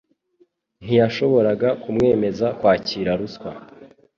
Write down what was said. Ntiyashoboraga kumwemeza kwakira ruswa